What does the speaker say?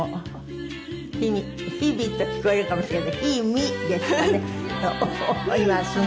「日々」と聞こえるかもしれない。